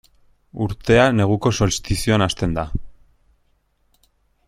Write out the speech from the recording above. Urtea neguko solstizioan hasten da.